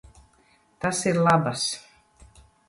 Tas ir labas.